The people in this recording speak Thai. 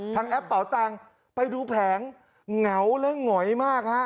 แอปเป่าตังค์ไปดูแผงเหงาและหงอยมากฮะ